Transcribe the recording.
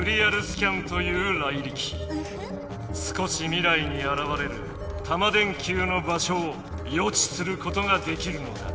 少し未来にあらわれるタマ電Ｑの場所を予知することができるのだ。